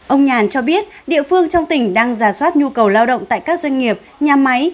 ông nhàn cho biết địa phương trong tỉnh đang giả soát nhu cầu lao động tại các doanh nghiệp nhà máy